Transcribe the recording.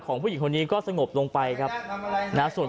อืมที่นี่ดีไหมที่นี่ดีไหม